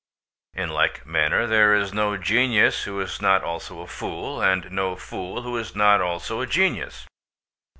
In like manner there is no genius who is not also a fool, and no fool who is not also a genius.